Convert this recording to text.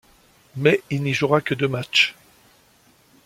Mais il n'y jouera que deux matchs.